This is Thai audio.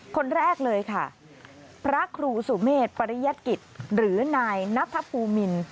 คนแรกเลยค่ะพระครูสุเมษปริยกิจหรือนายนัทภูมิน